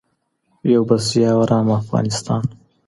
یو بسیا او ارام افغانستان.